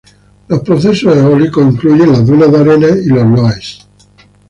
Los procesos eólicos incluyen las dunas de arena y los loess.